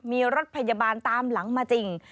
มีรถพยาบาลตามหลังมาจริง